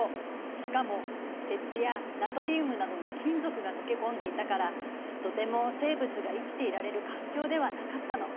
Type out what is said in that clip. しかも鉄やナトリウムなどの金属が溶け込んでいたからとても生物が生きていられる環境ではなかったの。